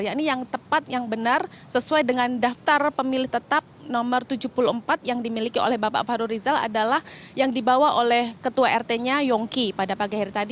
ya ini yang tepat yang benar sesuai dengan daftar pemilih tetap nomor tujuh puluh empat yang dimiliki oleh bapak fahru rizal adalah yang dibawa oleh ketua rt nya yongki pada pagi hari tadi